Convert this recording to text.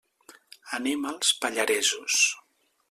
Anem als Pallaresos.